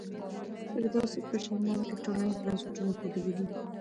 فردوسي په شاهنامه کي ټولنیز بنسټونه ښودلي دي.